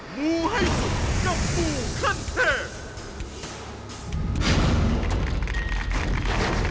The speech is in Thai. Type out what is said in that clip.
หมูให้สุดกับหมูขั้นแทบ